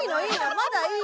まだいい。